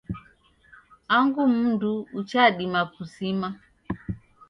Angu mundu uchadima kusima